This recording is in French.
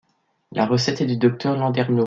La recette est du docteur Landernau.